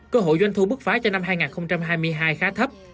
cơ hội doanh thu bức phá cho năm hai nghìn hai mươi hai khá thấp